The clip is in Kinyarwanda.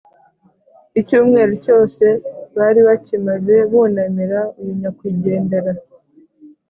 Icyumweru cyose bari bakimaze bunamira uyu nyakwigendera